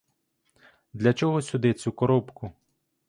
Для чого сюди цю коробку?